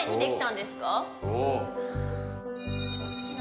そう。